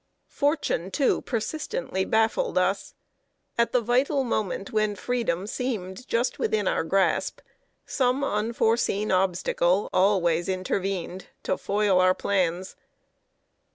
Fortune, too, persistently baffled us. At the vital moment when freedom seemed just within our grasp, some unforeseen obstacle always intervened to foil our plans.